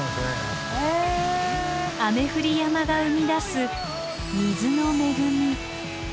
雨降り山が生み出す水の恵み。